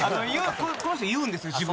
この人言うんですよ